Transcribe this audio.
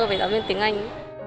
về giáo viên tiếng anh